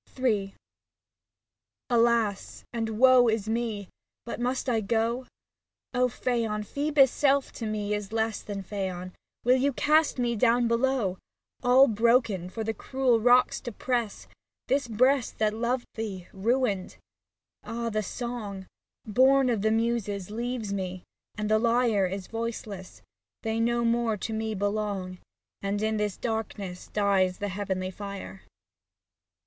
Ill Alas ! and woe is me. But must I go ? O Phaon, Phoebus' self to me is less Than Phaon — will you cast me down below All broken, for the cruel rocks to press This breast, that loved thee, ruined ?— Ah ! the song Born of the Muses leaves me and the lyre Is voiceless — they no more to me belong, 76 SAPPHO TO PHAON And in this darkness dies the heavenly fire.